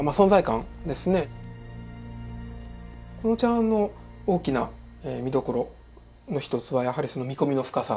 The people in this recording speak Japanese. この茶碗の大きな見どころの一つはやはり見込みの深さですね。